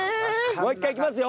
もう１回いきますよ！